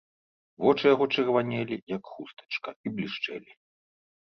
Вочы яго чырванелі, як хустачка, і блішчэлі.